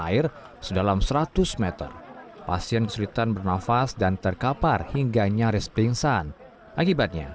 air sedalam seratus meter pasien kesulitan bernafas dan terkapar hingga nyaris pingsan akibatnya